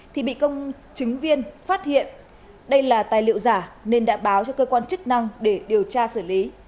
thì bị công chứng viên phát hiện đây là tài liệu giả nên đã báo cho cơ quan chức năng để điều tra xử lý